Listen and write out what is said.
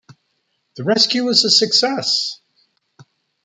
The rescue was a success.